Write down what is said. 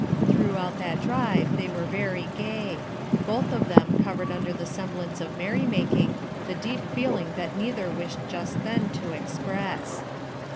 '* Throughout that drive they were very gay; both of them covered under the semblance of merrymaking, the deep feeling that neither wished just then to express.